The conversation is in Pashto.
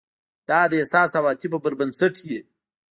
دا د احساس او عواطفو پر بنسټ وي.